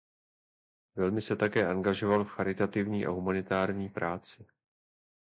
Velmi se také angažoval v charitativní a humanitární práci.